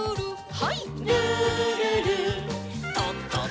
はい。